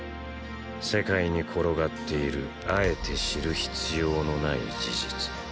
世界に転がっているあえて知る必要のない事実。